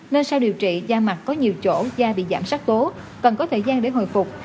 nên sau điều trị da mặt có nhiều chỗ da bị giảm sắc tố cần có thời gian để hồi phục